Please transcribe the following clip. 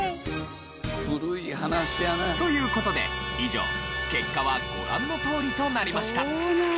古い話やな。という事で以上結果はご覧のとおりとなりました。